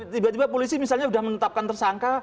tiba tiba polisi misalnya sudah menetapkan tersangka